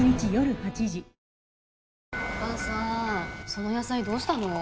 その野菜どうしたの？